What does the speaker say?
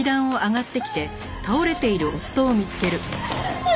あっ！？